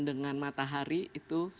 dengan matahari itu